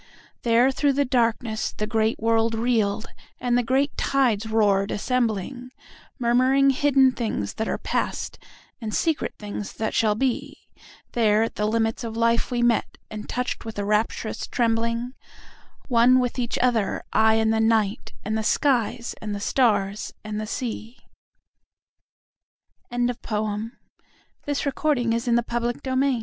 There through the darkness the great world reeled, and the great tides roared, assembling—Murmuring hidden things that are past, and secret things that shall be; There at the limits of life we met, and touched with a rapturous trembling—One with each other, I and the Night, and the skies, and the stars, and sea. Contents BIBLIOGRAPHIC RECORD Previous Article Next Article Shak